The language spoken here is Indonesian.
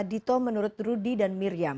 dito menurut rudy dan miriam